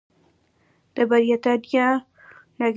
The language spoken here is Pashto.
د برېتانیا ناټینګهم پوهنتون د فارمیسي پوهنځي